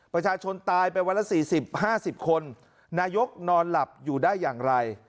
ประชาชนตายไปวันละ๔๐๕๐คนนายกนอนหลับอยู่ได้อย่างไร